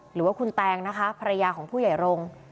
หรือว่าคุณแตงนะคะภรรยาของผู้ใหญ่รงค์